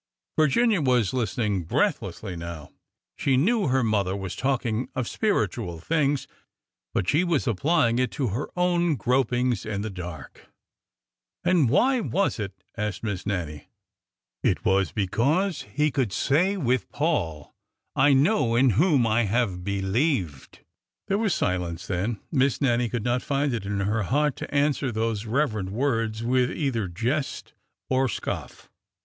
Virginia was listening breathlessly now. She knew her mother was talking of spiritual things, but she was apply ing it to her own gropings in the dark. "And why was it?" asked Miss Nannie. " It was because he could say with Paul, ' I know in whom I have believed.' " There was silence then. Miss Nannie could not find it in her heart to answer those reverent words with either jest or scoff.